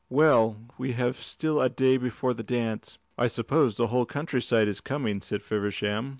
"Well, we have still a day before the dance." "I suppose the whole country side is coming," said Feversham.